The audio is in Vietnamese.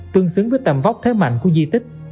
tương xứng với tầm vóc thế mạnh của di tích